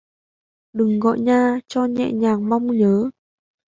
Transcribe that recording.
Đừng gọi nha, cho nhẹ nhàng mong nhớ